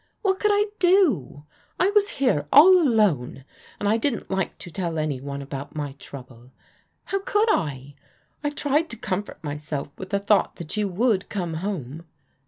What could I do? I was here all alone, and I didn't like to tell any one about my trouble. How could I ? I tried to comfort my self with the thought that you wotdd come home.